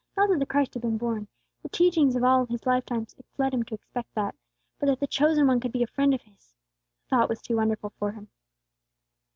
Not that the Christ had been born, the teachings of all his lifetime led him to expect that; but that the chosen One could be a friend of his, the thought was too wonderful for him.